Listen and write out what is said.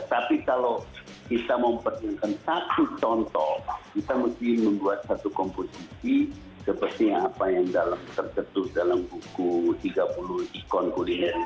tapi kalau kita memperjuangkan satu contoh kita mesti membuat satu komposisi seperti apa yang dalam tercetus dalam buku tiga puluh ikon kuliner